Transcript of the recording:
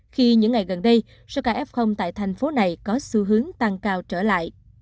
khi những ngày gần đây số ca f tại thành phố này có xu hướng tăng cao trở lại